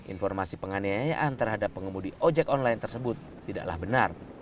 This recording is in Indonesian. informasi penganiayaan terhadap pengemudi ojek online tersebut tidaklah benar